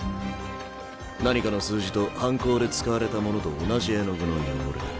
何かの数字と犯行で使われたものと同じ絵の具の汚れ。